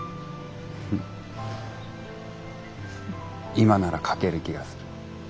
今なら書ける気がする。